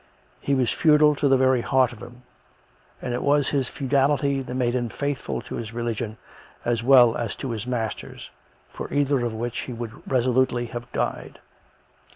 He was feudal to the very heart of him; and it was his feudality that made him faithful to his religion as well as to his masters, for either of which he would resolutely have died.